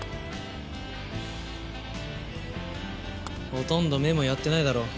ほとんど目もやってないだろ。